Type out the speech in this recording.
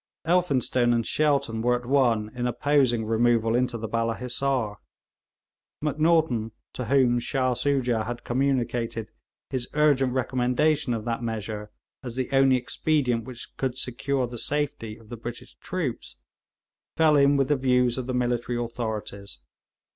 Elphinstone and Shelton were at one in opposing removal into the Balla Hissar. Macnaghten, to whom Shah Soojah had communicated his urgent recommendation of that measure as the only expedient which could secure the safety of the British troops, fell in with the views of the military authorities.